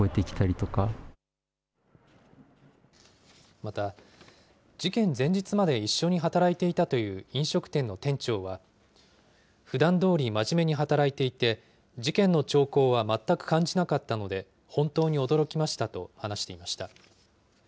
また、事件前日まで一緒に働いていたという飲食店の店長は、ふだんどおり真面目に働いていて、事件の兆候は全く感じなかったので、本当に驚きましたと話していました。